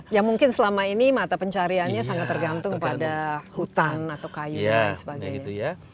ya mungkin selama ini mata pencariannya sangat tergantung pada hutan atau kayu dan sebagainya